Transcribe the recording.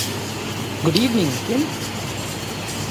Good evening, Kim.